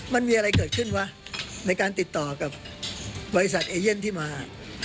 มันมีอะไรเกิดขึ้นวะในการติดต่อกับบริษัทเอเย่นที่มา